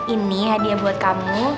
ini hadiah buat kamu